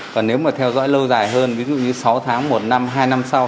và nếu mà theo dõi lâu dài hơn ví dụ như sáu tháng một năm hai năm sau